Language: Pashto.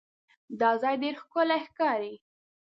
دا ځای ډېر ښکلی ښکاري.